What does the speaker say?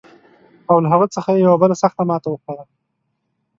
او له هغه څخه یې یوه بله سخته ماته وخوړه.